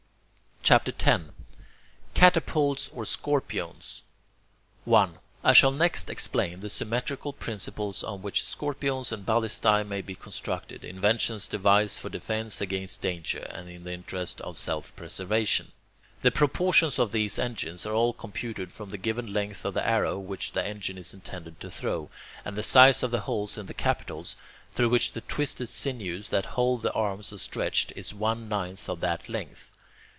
CHAPTER X CATAPULTS OR SCORPIONES 1. I shall next explain the symmetrical principles on which scorpiones and ballistae may be constructed, inventions devised for defence against danger, and in the interest of self preservation. The proportions of these engines are all computed from the given length of the arrow which the engine is intended to throw, and the size of the holes in the capitals, through which the twisted sinews that hold the arms are stretched, is one ninth of that length.